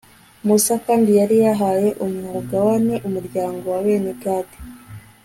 musa kandi yari yahaye umugabane umuryango wa bene gadi